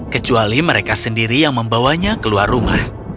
kecuali mereka sendiri yang membawanya keluar rumah